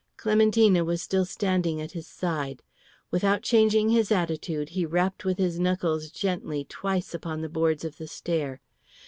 Clementina was still standing at his side. Without changing his attitude he rapped with his knuckles gently twice upon the boards of the stair.